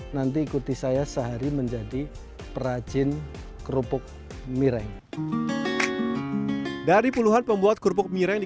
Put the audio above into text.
nanti ikuti saya sehari menjadi perajin kerupuk mireng dari puluhan pembuat kerupuk mireng di